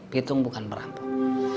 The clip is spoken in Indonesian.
pitung bukan merampok